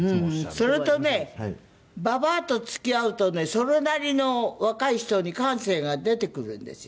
それとねばばあと付き合うとねそれなりの若い人に感性が出てくるんですよ。